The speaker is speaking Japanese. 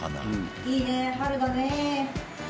いいね春だね。